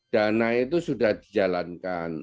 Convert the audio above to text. dana itu sudah dijalankan